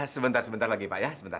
sebentar sebentar lagi pak ya sebentar